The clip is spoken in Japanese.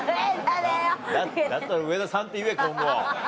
だったら上田さんって言え今後。